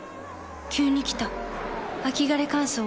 急に来た秋枯れ乾燥。